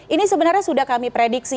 ini sebenarnya sudah kami prediksi